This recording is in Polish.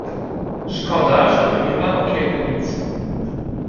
"Szkoda, że tu niema okiennic."